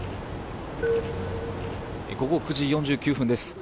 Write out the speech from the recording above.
午後９時４５分です。